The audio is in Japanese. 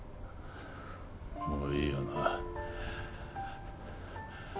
もういいよな。